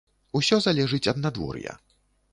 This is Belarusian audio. Усё залежыць ад надвор'я.